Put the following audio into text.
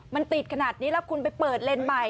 มันติดขนาดนี้แล้วคุณไปเปิดเลนส์ใหม่